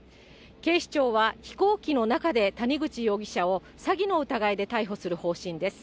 警視庁は飛行機の中で谷口容疑者を詐欺の疑いで逮捕する方針です。